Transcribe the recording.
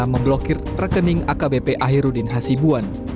memblokir rekening akbp ahirudin hasibuan